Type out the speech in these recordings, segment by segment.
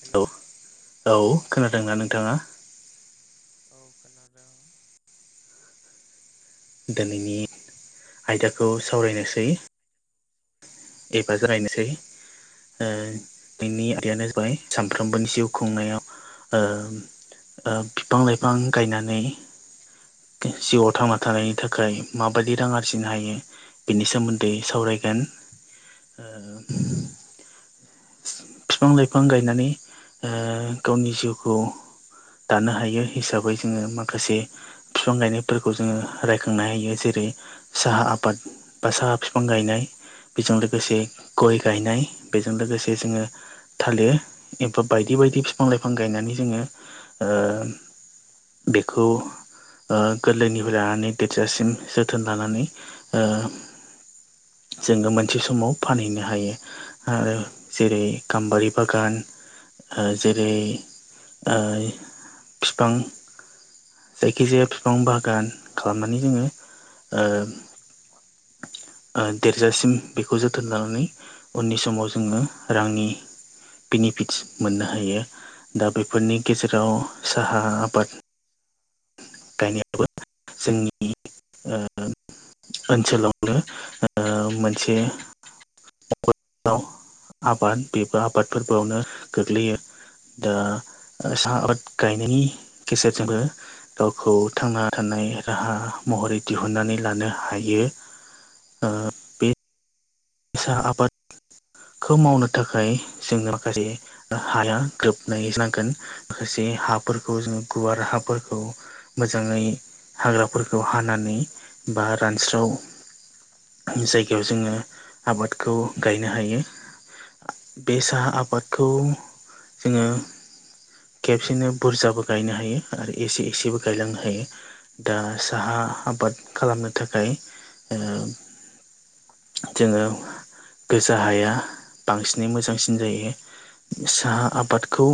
Hello औ औ खोनादोंना नोंथाङा? औ खोनादों। दोनैनि आयदाखौ सावरायनोसै एबा जागायनोसैै। ओ बेनि आयदायानो जाबाय सानफ्रोमबोनि जिउ खुंनायाव ओ ओ बिफां लाइफां गायनानै जिउआव थांना थानायनि थाखाय माबायदि रां आरजिनो हायो। बिनि सोमोन्दै सावरायगोन ओ बिफां लाइफां गायनानै ओ गावनि जिउखौ दानो हायो हिसाबै जोङो माखासे बिफां गायनायफोरखौ जोङो रायखांनो हायो जेरै साहा आबाद बा साहा बिफां गायनाय बेजों लोगोसे गय गायनाय बेजों लोगोसे जोङो थालिर एबा बायदि बायदि बिफां लाइफां गायनानै जोङो ओ बेखौ ओ गोरलैनिफ्राय लानानै दिरजासिम जोथोन लानानै ओ जोङो मोन मोनसे समाव फानहैनो हायो आरो जेरै गाम्बारि बागान ओ जेरै ओ फिफां जायखिजाया बिफां बागान खालामनानै जोङो ओ ओ देरजासिम बेखौ जोथोन लानानै उननि समाव जोङो रांनि बेनिफिट्स मोननो हायो। दा बेफोरनि गेजेराव साहा आबाद गायनायाबो जोंनि ओ ओनसोलावनो ओ मोनसे आव आबाद बेबो आबाद फोरबोआवनो गोग्लैयो दा साहा आबाद गायनायनि गेजेरजोंबो गावखौ थांना थानाय राहा महरै दिहुनन्नानै लानो हायो ओ सा आबाद खौ मावनो थाखाय जों माखासे हाया ग्रोबनाय नांगोन खासे हाफोरखौ जोङो गुवार हाफोरखौ मोजाङै हाग्राफोरखौ हानानै बा रानस्राव जायगायाव जोङो आबादखौ गायनो हायो बे साहा आबादखौ जोङो खेबसेनो बुरजाबो गायनो हायो आरो एसे एसेबो गायलांनो हायो दा साहा आबाद खालामनो थाखाय ओ जोङो गोजा हाया बांसिनै मोजांसिन जायो साहा आबाद खौ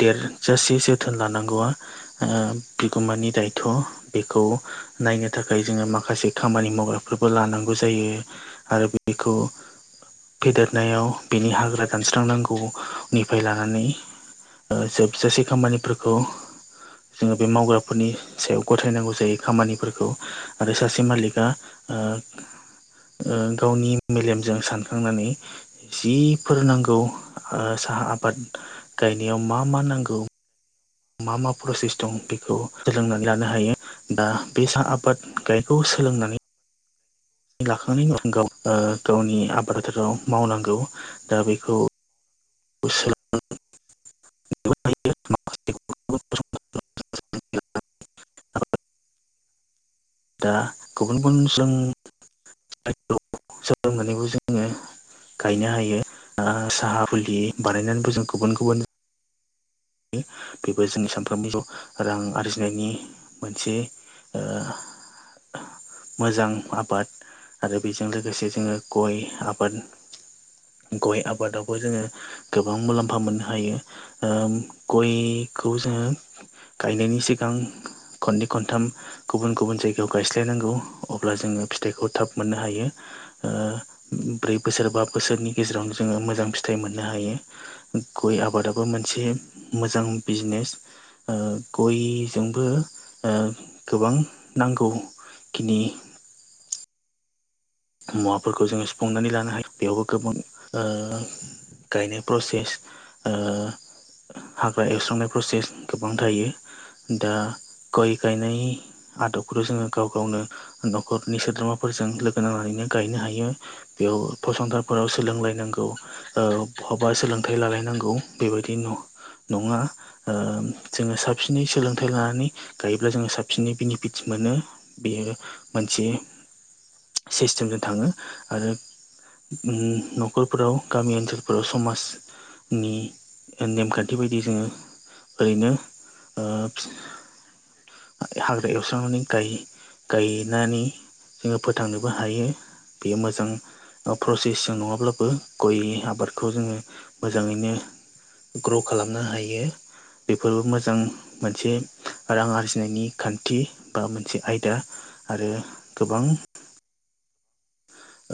देरजासे जोथोन लानांगौआ ओ बिगोमानि दायथ' बेखौ नायनो थाखाय जोङो माखासे खामानि मावग्राफोरबो लानांगौ जायो आरो बेखौ फेदेरनायाव बिनि हाग्रा दानस्रांनांगौनिफाय लानानै ओ जोबजासे खामानिफोरखौ जोङो बे मावग्राफोरनि सायाव गथायनांगौ जायो खामानिफोरखौ आरो सासे मालिकआ ओ ओ गावनि मेलेमजों सानखांनानै जिफोर नांगौ ओ साहा आबाद गायनायाव मा मा नांगौ मा मा प्रसेस दं बेखौ सोलोंनानै लानो हायो दा बे साह आबाद गायखौ सोलोंनानै लाखांनायनि उनाव गाव गावनि आबाद थाराव मावनांगौ दा बेखौ सोल दा गुबुन गुबुन जों स सोलोंनानैबो जोङो गायनो हायो ओ साहा फुलि बानायनानैबो जों गुबुन गुबुन बेबो जोंनि सानफ्रोमबो' रां आरजिनायनि मोनसे ओ मोजां आबाद आरो बेजों लोगोसे जोङो गय आबाद गय आबादावबो जोङो गोबां मुलाम्फा मोननो हायो ओ गयखौ जोङो गायनायनि सिगां खननै खनथाम गुबुन गुबुन जायगायाव गायस्लायनांगौ अब्ला जोङो फिथाइखौ थाब मोननो हायो ओ ब्रै बोसोर बा बोसोरनि गेजेराव जोङो मोजां फिथाइ मोननो हायो गय आबादाबो मोनसे मोजां बिजनेस ओ गयजोंबो ओ गोबां नांगौ खिनि मुवाफोरखौ जोङो सुफुंनानै लानो हायो। बेयावबो गोबां ओ गायनो प्रसेस ओ हाग्रा एवस्रांनाय प्रसेस गोबां थायो। दा गय गायनाय आदबखौ जोङो गाव गावनो न'खरनि सोद्रोमाफोरजों लोगो नांनानैनो गायनो हायो। बेयाव फसंथानफोराव सोलोंलायनांगौ। ओ बहाबा सोलोंथाइ लालायनांगौ बेबायदि नङा। आं जोङो साबसिनै सोलोंथाइ लानानै गायोब्ला जोङो साबसिनै बेनिफिट मोनो बेयो मोनसे सिस्टेमजों थाङो आरो उम न'खरफोराव गामि ओनसोलफोराव समाज नि नेमखान्थि बायदि जोङो ओरैनो ओ हाग्रा एवस्रांनानै गायो गायनानै जोङो फोथांनो बो हायो बेयो मोजां। प्रसेस जों नङाब्लाबो गय आबादखौ जोङो मोजाङैनो ग्र' खालामनो हायो बेफोरबो मोजां मोनसे। रां आरजिनायनि खान्थि बा मोनसे आयदा आरो गोबां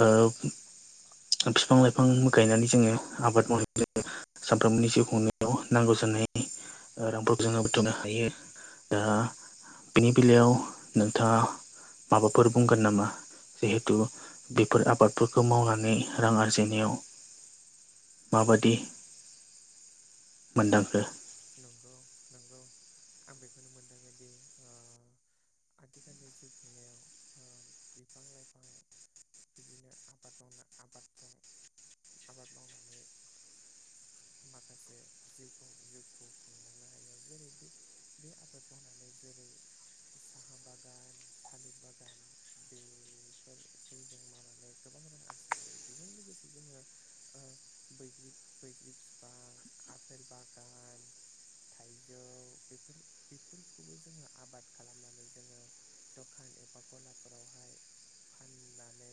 ओ बिफां लाइफां गायनानै जोङो आबाद मावहै सानफ्रोमबोनि जिउ खुंनायाव नांगौ जानाय रांफोरखौ जोङो बुथुमनो हायो। आ बिनि बेलायाव नोंथाङा माबाफोर बुंगोन नामा जिहेथु बेफोर आबादफोरखौ मावनानै रां आरजिनायाव माबादि मोनदांखो नंगौ नंगौ आं बेखौनो मोनदाङोदि आथिखालनि जिउ खुंनायाव ओ बिफां लाइफां बिदिनो आबाद मावनो आबादजों आबाद मावनानै माखासे जिउखौ खौ खुंलांनो हायो जेरै बे बे आबाद मावनानै जेरै साहा बागान थालिर बागान बेफोरखौ जों मावनानै गोबां रां आरजिनो हायो। बेजों लोगोसे जोङो आ बैग्रि बैग्रि फिफां आफेल बागान थाइजौ बेफोर बेफोरखौबो जोङो आबाद खालामनानै जोङो दखान एबा गलाफोरावहाय फाननानै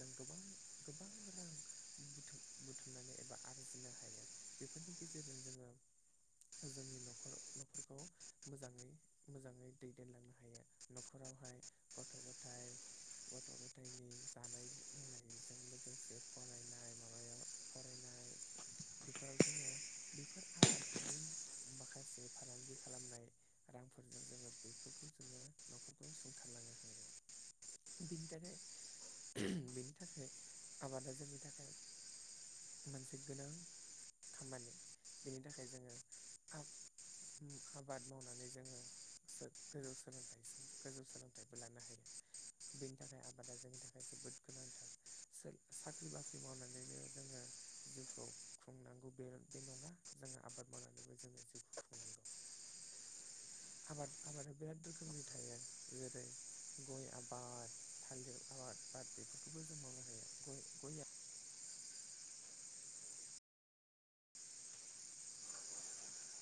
जों गोबां गोबां रां बुथुम बुथुमनानै एबा आरजिनो हायो बेफोरनि गेजेरजों जोङो जोंनि न'खर न'खरखौ मोजाङै मोजाङै दैदेनलांनो हायो। न'खरावहाय गथ' गथाय गथ' गथायनि जानाय लोंनायजों लोगोसे फरायनाय माबायाव फरायनाय बेफोराव जोङो बेफोर आबाद नि माखासे फालांगि खालामनाय। रांफोरजों जोङो बेफोरखौ जोङो न'खरखौ सुंथारलांनो हायो। बिनि थाखाय बिनि थाखाय आबादा जोंनि थाखाय मोनसे गोनां खामानि बेनि थाखाय जोङो आ आबाद मावनानै जोङो सो गोजौ सोलोंथाइसिम गोजौ सोलोंथाइबो लानो हायो। बेनि थाखाय आबादा जोंनि थाखाय जोबोद गोनांथार। सोर साख्रि बाख्रि मावनानैल' जोङो जिउखौ खुंनांगौ बे बे नङा। जोङो आबाद मावनानैबो जोङो जिउखौ खुंनांगौ। आबाद आबादा बिराद रोखोमनि थायो जेरै गय आबाद थालिर आबाद बेफोरखौबो जों मावनो हायो गय गया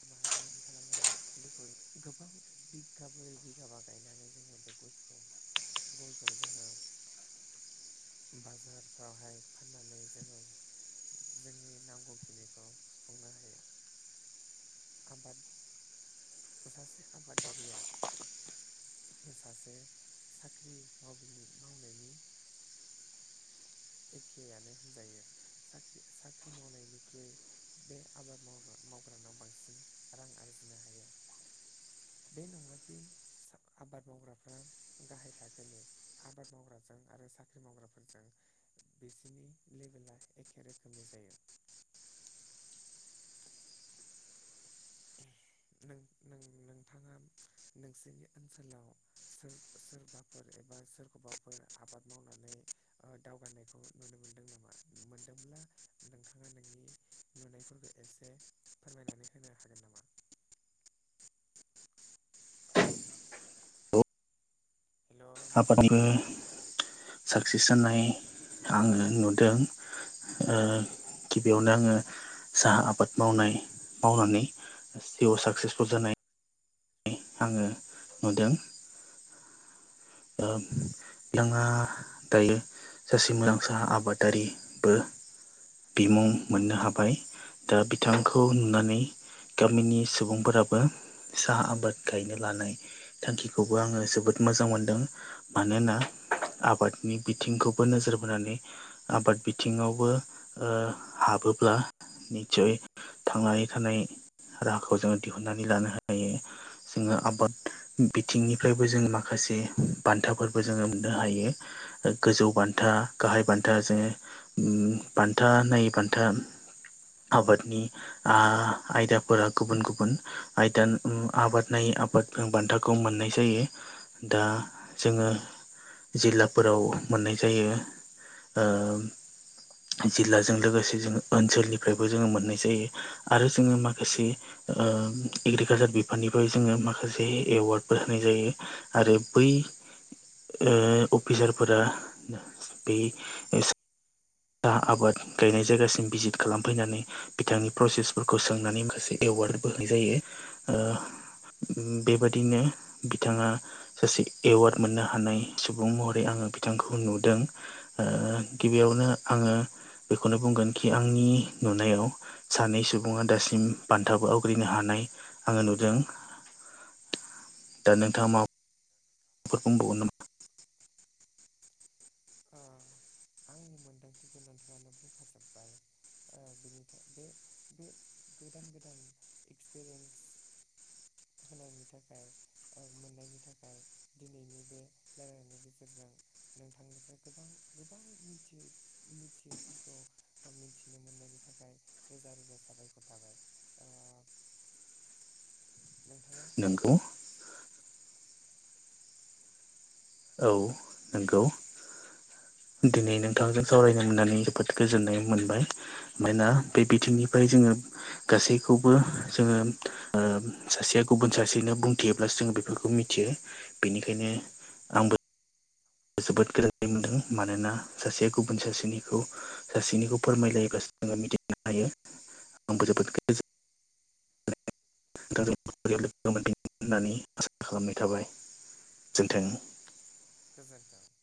माहारि खालामनो हायो बेखौ गोबां बिगाबोरै बिगाबा गायनानै जोङो बे खौ गयखौ जोङो। बाजारफ्रावहाय फाननानै जोङो। जोंनि नांगौखिनिखौ सुफुंनो हायो। आबाद सासे आबादारिया। सासे साख्रि माव मावनायनि एखेयानो होनजायो साख्रि साख्रि मावनायनिख्रुइ बे आबाद माव्रा मावग्रानाव बांसिन रां आरजिनो हायो। बे नङाखि सा आबाद मावग्राफ्रा गाहाय थाखोनि। आबाद मावग्राजों आरो साख्रि मावग्राफोरजों बिसोरनि लेभेला एखे रोखोमनि जायो। ओम नोंथाङा नोंसोरनि ओनसोलाव सोर। सोरबाफोर एबा सोरखौबाफोर आबाद मावनानै। ओ दावगानायखौ नुनो मोनदों नामा मोनदोंब्ला नोंथाङा नोंनि। नुनायफोरखौ एसे फोरमायनानै होनो हागोन नामा? हेल' नोंथां आबादनिबो खोनादोंना साक्सेस जानाय आङो नुदों। ओ गिबियावनो आङो साहा आबाद मावनाय मावनानै। जिउआव सक्सेसफुल जानाय। आङो नुदों। ओम‌ नोंङा दायो। सासे मोजांसा आबादारिबो बिमुं मोननो हाबाय। दा बिथांखौ नुनानै। गामिनि सुबुंफोराबो साहा आबाद गायनो लानाय। थांखिखौबो आङो जोबोद मोजां मोनदों। मानोना आबादनि बिथिंखौबो नोजोर बोनानै। आबाद बिथिङावबो ओ हाबोब्ला निसय। थांनानै थानाय राहाखौ जोङो दिहुनन्नानै लानो हायो। जोङो आबाद बिथिंनिफ्रायबो जों माखासे। बान्थाफोरबो जोङो मोननो हायो गोजौ बान्था गाहाय बान्था जोङो। ओम बान्था ननायैै बान्था आबादनि। आ आयदाफोरा गुबुन गुबुन आयदा ओम आबाद नायै आबाद। जों बान्थाखौ मोननाय जायो दा। जोङो जिल्लाफोराव मोननाय जायो। जिल्लाजों लोगोसे जोङो ओनसोलनिफ्रायबो जोङो मोननाय जायो। आरो जोङो माखासे। ओम एग्रिकालसार बिफाननिफ्राय जोङो माखासे एवार्डफोर होनाय जायो। आरो बै। ओम अफिसारफोरा बे। दा आबाद गायनाय जायगासिम भिजिट खालामफैनानै। बिथांनि प्रसेसफोरखौ सोंनानै माखासे एवार्डबो होनाय जायो ओ। ओम बेबादिनो बिथाङा। सासे एवार्ड मोननो हानाय सुबुं महरै आङो बिथांखौ नुदों। ओ गिबियावनो आङो बेखौनो बुंगोन कि आंनि नुनायाव। सानै सुबुङा दासिम बान्थाबो आवग्रिनो हानाय आङो नुदों। दा नोंथाङा मा। माबाफोर बुंबावगोन नामा? ओ आंनि मोनदांथिखौ नोंथाङानो बुंखाजोब्बाय। ओ बेनि थाखाय बे बे गोदान गोदान एक्सपिरियेन्स। होनायनि थाखाय। ओम मोननायनि थाखाय दिनैनि बे रायलायायनायनि गेजेरजों नोंथांनिफ्राय। गोबां गोबां मिथियै मिथियैफोरखौ। मिथिनो मोननायनि थाखाय रोजा रोजा साबायखर थाबाय [inaudible] नोंथाङा नोंगौ। औ नंगौ दिनै नोंथांजों सावरायनो मोननानै जोबोद गोजोननाय मोनबाय मानोना बे बिथिंनिफ्राय जोङो गासैखौबो जोङो सासेया गुबुन सासेनो बुंथियोब्ला जों बेफोरखौ मिथियो। बेनिखायनो आंबो जोबोद गोोरोननाय मोनदों मानोना सासेया गुबुन सासेनिखौ सासेनिखौ फोरमायलायोबो जोङो मिथिनो हायो आंबो जोबोद गोजोन लोगो [unintelligible] होननानै [unintelligible] आसा [unintelligible] खालामनाय थाबाय जोंथों गोजोनथाव